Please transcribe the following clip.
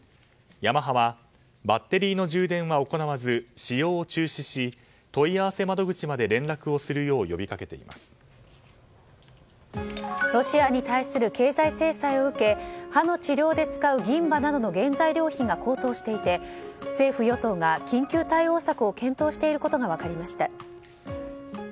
ヤマハはバッテリーの充電は行わず使用を中止し問い合わせ窓口までロシアに対する経済制裁を受け歯の治療で使う銀歯などの原材料費が高騰していて政府・与党が緊急対応策を検討していることが分かりました。